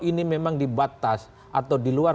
ini memang dibatas atau di luar